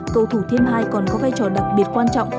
cầu thủ thêm hai còn có vai trò đặc biệt quan trọng